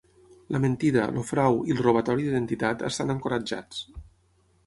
La mentida, el frau i el robatori d'identitat estan encoratjats.